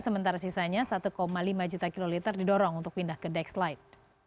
sementara sisanya satu lima juta kiloliter didorong untuk pindah ke dexlite